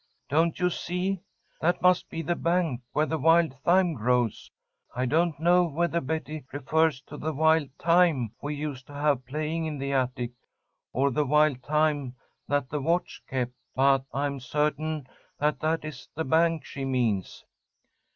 "Don't you see? That must be the 'bank' where the wild thyme grows. I don't know whether Betty refers to the wild time we used to have playing in the attic, or the wild time that the watch kept. But I'm certain that that is the bank she means."